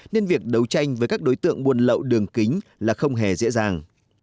nên việc đấu tranh với các đối tượng buôn lậu đường kính là không hề dễ dàng